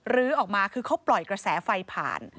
ลื้อออกมาคือเขาปล่อยกระแสไฟผ่าน